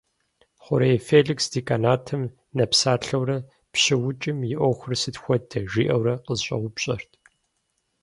Хъурей Феликс деканатым нэпсалъэурэ, «ПщыукӀым и Ӏуэхур сыт хуэдэ?» жиӏэурэ къысщӏэупщӏэрт.